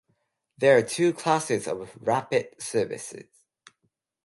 There are two classes of "Rapi:t" service.